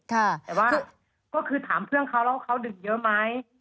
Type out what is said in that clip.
แต่ว่าก็คือถามเพื่อนเขาแล้วว่าเขาดื่มเยอะไหม